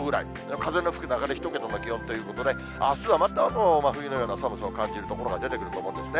風が吹く中で１桁の気温ということで、あすはまた真冬のような寒さを感じる所が出てきそうですね。